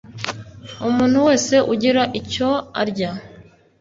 umuntu wese ugira icyo arya